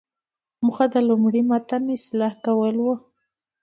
موخه د لومړني متن اصلاح کول وو.